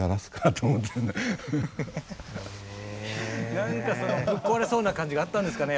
何かそのぶっ壊れそうな感じがあったんですかね